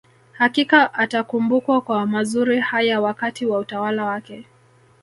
Hakika atakumbukwa kwa mazuri haya wakati wa utawala wake